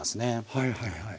はいはいはい。